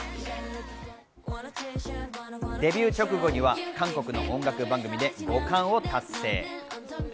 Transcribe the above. デビュー直後には韓国の音楽番組で５冠を達成。